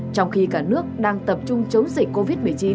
trong khi cả nước đang tập trung chống dịch covid một mươi chín